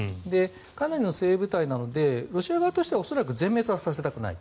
かなりの精鋭部隊なのでロシア側としては恐らく全滅はさせたくない。